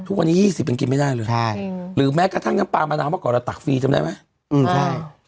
ทุกวันนี้๒๐ยังกินไม่ได้เลยใช่หรือแม้กระทั่งน้ำปลามะนาวเมื่อก่อนเราตักฟรีจำได้ไหมอืมใช่